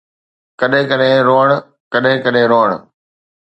ڪڏھن ڪڏھن روئڻ، ڪڏھن ڪڏھن روئڻ